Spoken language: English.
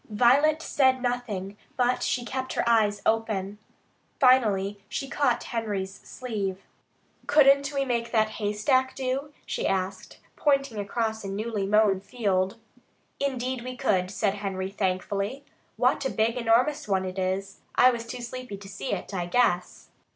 Violet said nothing, but she kept her eyes open. Finally she caught Henry's sleeve. "Couldn't we make that haystack do?" she asked, pointing across a newly mown field. "Indeed we could," said Henry thankfully. "What a big, enormous one it is! I was too sleepy to see it, I guess."